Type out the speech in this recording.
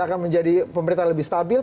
akan menjadi pemerintah yang lebih stabil